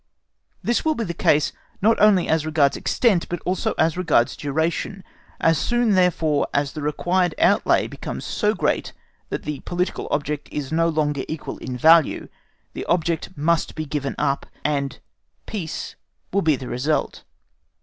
This will be the case, not only as regards extent, but also as regards duration. As soon, therefore, as the required outlay becomes so great that the political object is no longer equal in value, the object must be given up, and peace will be the result.